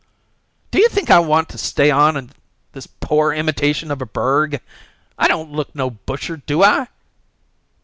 "Do you think I want to stay on in this poor imitation of a burg? I don't look no busher, do I?"